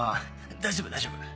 大丈夫大丈夫。